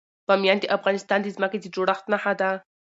بامیان د افغانستان د ځمکې د جوړښت نښه ده.